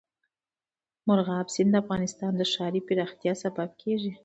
مورغاب سیند د افغانستان د ښاري پراختیا سبب کېږي.